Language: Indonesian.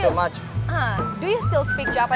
apakah kamu masih bicara jepang